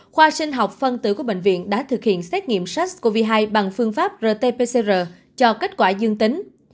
khoa sinh học phân tử của bệnh viện đã thực hiện xét nghiệm sars cov hai bằng phương pháp rt pcr cho kết quả dương tính